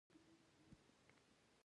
دوی په نړیوالو پریکړو کې رول لري.